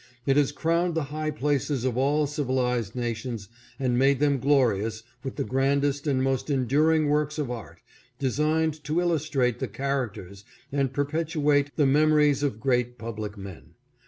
It has crowned the high places of all civilized nations and made them glorious with the grandest and most enduring works of art, designed to illustrate the characters and perpetu at ethe memories of great public men.